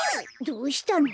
どうしたの？